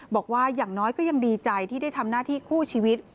บอกว่าอย่างน้อยก็ยังดีใจที่ได้ทำหน้าที่คู่ชีวิต